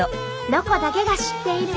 「ロコだけが知っている」。